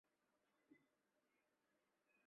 来瑱永寿人。